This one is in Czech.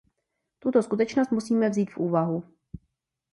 Tuto skutečnost musíme vzít v úvahu.